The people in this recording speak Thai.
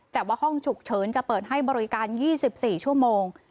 แต่ว่าห้องฉุกเฉินจะเปิดให้บริการ๒๔ชั่วโมง